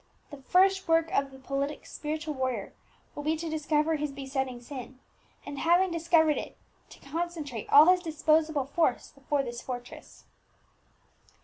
The first work of the politic spiritual warrior will be to discover his besetting sin, and having discovered it, to concentrate all his disposable force before this fortress."